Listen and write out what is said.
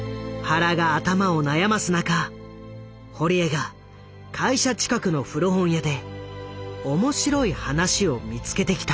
原が頭を悩ます中堀江が会社近くの古本屋で面白い話を見つけてきた。